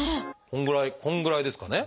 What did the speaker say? このぐらいこのぐらいですかね。